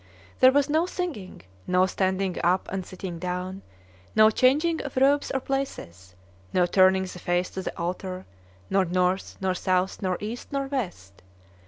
There was no singing, no standing up and sitting down, no changing of robes or places, no turning the face to the altar, nor north, nor south, nor east, nor west.